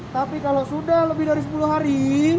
tapi kalau sudah lebih dari sepuluh hari